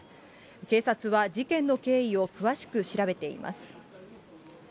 警察は、事件の経緯を詳しく調べています。